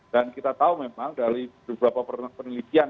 dan kita tahu memang dari beberapa penelitian